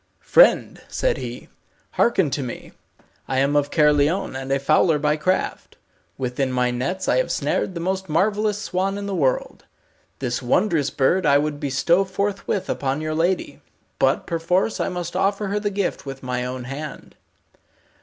"Friend," said he, "hearken to me. I am of Caerleon, and a fowler by craft. Within my nets I have snared the most marvellous swan in the world. This wondrous bird I would bestow forthwith upon your lady, but perforce I must offer her the gift with my own hand."